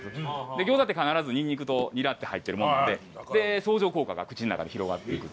餃子って必ずニンニクとニラって入ってるもんなんで相乗効果が口の中で広がっていくっていう。